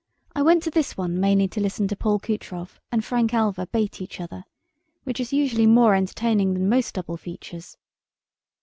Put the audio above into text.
I went to this one mainly to listen to Paul Kutrov and Frank Alva bait each other, which is usually more entertaining than most double features.